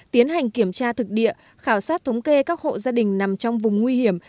tiến hành kiểm tra thực địa khảo sát thống kê các hộ gia đình nằm trong vùng nguy hiểm